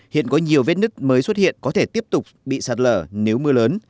hiện có nhiều vết nứt mới xuất hiện có thể tiếp tục bị sạt lở nếu mưa lớn